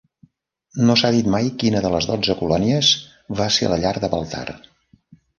No s'ha dit mai quina de les dotze colònies va ser la llar de Baltar.